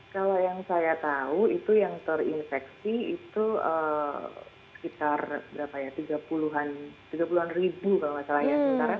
kalau yang saya tahu itu yang terinfeksi itu sekitar tiga puluh an ribu kalau masalahnya